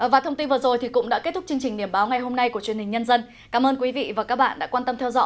và thông tin vừa rồi thì cũng đã kết thúc chương trình điểm báo ngày hôm nay của truyền hình nhân dân